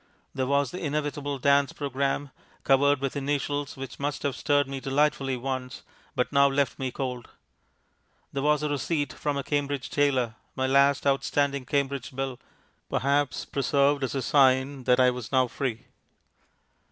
There was the inevitable dance programme, covered with initials which must have stirred me delightfully once, but now left me cold. There was a receipt from a Cambridge tailor, my last outstanding Cambridge bill, perhaps preserved as a sign that I was now free.